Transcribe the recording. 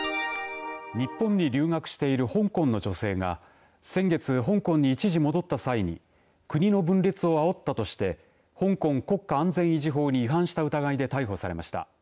日本に留学している香港の女性が先月、香港に一時戻った際に国の分裂をあおったとして香港国家安全維持法に違反した疑いで逮捕されました。